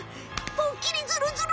ポッキリズルズル！